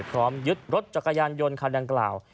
พร้อมยึดรถจักรยานยนต์คันดังกล่าว